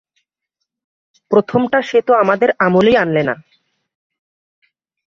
প্রথমটা সে তো আমাদের আমলেই আনলে না।